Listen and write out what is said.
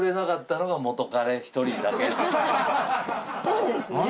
そうですね。